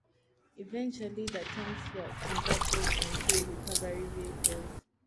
Eventually, the tanks were converted into recovery vehicles.